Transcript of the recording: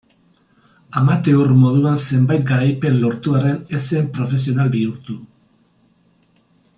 Amateur moduan zenbait garaipen lortu arren ez zen profesional bihurtu.